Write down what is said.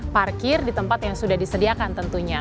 parkir di tempat yang sudah disediakan tentunya